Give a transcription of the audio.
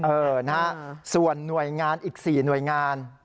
เออนะฮะส่วนหน่วยงานอีก๔หน่วยงาน